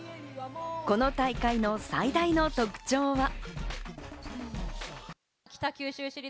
この大会の最大の特徴は。